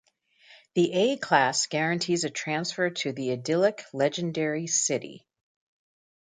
The A class guarantees a transfer to the idyllic, legendary "City".